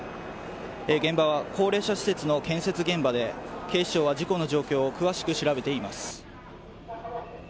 現場は高齢者施設の建設現場で、警視庁は事故の状況を詳しく調べています。